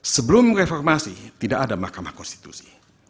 sebelum reformasi tidak ada mahkamah konstitusi